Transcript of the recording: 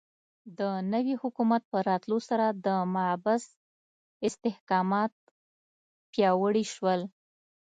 د نوي حکومت په راتلو سره د محبس استحکامات پیاوړي شول.